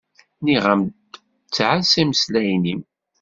Nniɣ-am-d ttɛassa imeslayen-im.